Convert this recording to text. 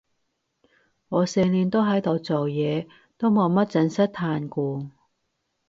我成年都喺度做嘢，都冇乜正式嘆過